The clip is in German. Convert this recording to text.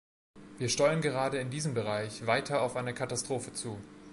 Wir steuern gerade in diesem Bereich weiter auf eine Katastrophe zu.